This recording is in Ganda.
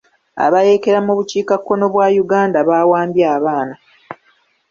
Abayeekera mu bukiikakkono bwa Uganda baawambye abaana.